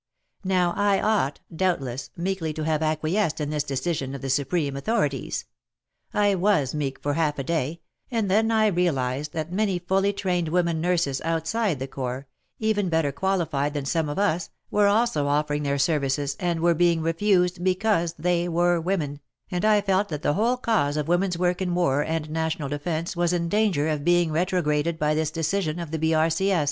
Now I ought, doubt less, meekly to have acquiesced in this decision of the supreme authorities. I was meek for half a day, and then I realized that many fully trained women nurses outside the Corps, even better qualified than some of us, were also offer ing their services and were being refused because they were women, and I felt that the whole cause of women's work in war and national defence was in danger of being retrograded by this decision of the B.R.